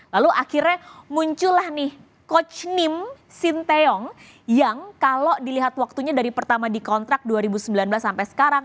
lalu akhirnya muncullah nih coach nim sinteyong yang kalau dilihat waktunya dari pertama di kontrak dua ribu sembilan belas sampai sekarang